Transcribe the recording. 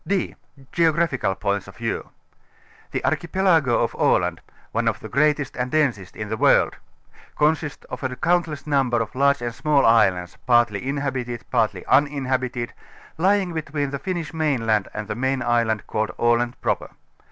d) Geographical Points of Vieiv. The archipelago of Aland ŌĆö one of the greatest and densest in the w orld ŌĆö consists of a countless number of large and small islands, partly inhabited, partly uninhabited, lying between the Finnish mainland and the main island, called Aland Proper.